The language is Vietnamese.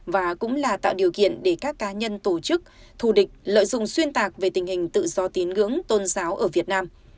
và cũng là tạo điều kiện để các cá nhân tổ chức thù địch lợi dụng xuyên tạc về tình hình tự do tín ngưỡng tôn giáo ở việt nam